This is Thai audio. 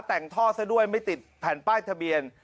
แต่งท่อซะด้วยไม่ติดแผ่นป้ายทะเบียน